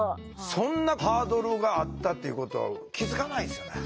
そんなハードルがあったっていうことは気付かないですよね。